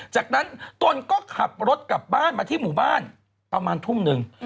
จากนั้นตนก็ขับรถกลับบ้านมาที่หมู่บ้านประมาณทุ่มหนึ่ง